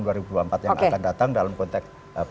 yang akan datang dalam konteks